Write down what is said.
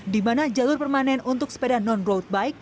di mana jalur permanen untuk sepeda non roadbike